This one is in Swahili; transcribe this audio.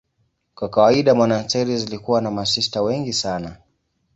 Kwa kawaida monasteri zilikuwa na masista wengi sana.